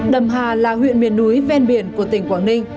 đầm hà là huyện miền núi ven biển của tỉnh quảng ninh